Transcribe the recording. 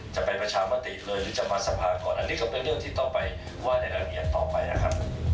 จะไปประชามาติเลยหรือจะมาสะพาก่อนอันนี้ก็เป็นเรื่องที่ต้องไปว่าในดังเนียมต่อไปอ่ะค่ะ